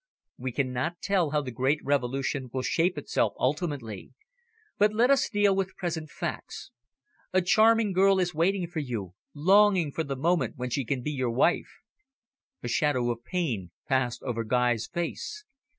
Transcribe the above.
"We cannot tell how the great Revolution will shape itself ultimately. But let us deal with present facts. A charming girl is waiting for you, longing for the moment when she can be your wife." A shadow of pain passed over Guy's face.